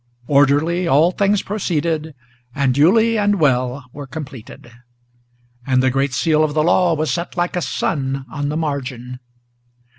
Orderly all things proceeded, and duly and well were completed, And the great seal of the law was set like a sun on the margin.